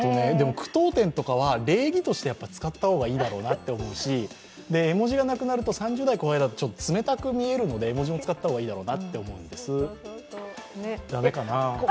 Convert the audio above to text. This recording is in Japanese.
句読点とかは礼儀として使った方がいいと思うし、絵文字がなくなると、３０代後半だと冷たく見えるかなと思って絵文字を使った方がいいだろうなと思うんです、駄目かな？